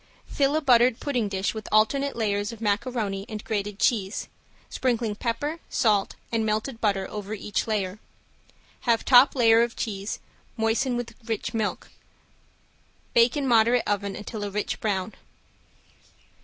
Fill a buttered pudding dish with alternate layers of macaroni and grated cheese, sprinkling pepper, salt and melted butter over each layer. Have top layer of cheese, moisten with rich milk, bake in moderate oven until a rich brown.